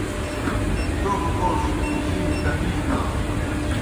ڈوگوْ گوݜ جِنیْ تپِجیْ نانوْ۔